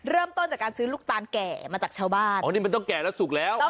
เริ่มต้นจากการซื้อลูกตาลแก่มาจากชาวบ้านอ๋อนี่มันต้องแก่แล้วสุกแล้ว